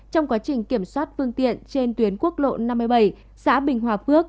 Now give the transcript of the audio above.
trong quá trình kiểm soát phương tiện trên tuyến quốc lộ năm mươi bảy xã bình hòa phước